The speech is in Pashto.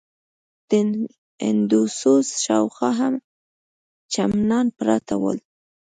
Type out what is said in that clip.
د هندوسوز شاوخوا هم چمنان پراته ول.